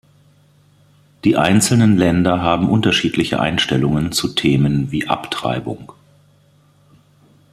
Die einzelnen Länder haben unterschiedliche Einstellungen zu Themen wie Abtreibung.